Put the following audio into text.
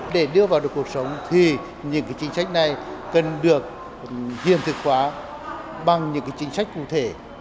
để đưa vào được cuộc sống thì những chính sách này cần được hiện thực hóa bằng những chính sách cụ thể